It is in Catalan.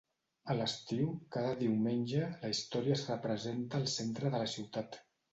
A l'estiu, cada diumenge, la història es representa al centre de la ciutat.